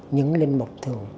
những linh mục thường